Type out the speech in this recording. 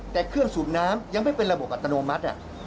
แต่เครื่องสูบน้ำยังไม่เป็นระบบอัตโนมัติ